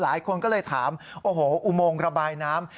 หลายคนก็เลยถามโอ้โหอุโมงระบายน้ำ